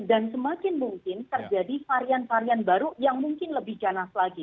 dan semakin mungkin terjadi varian varian baru yang mungkin lebih ganas lagi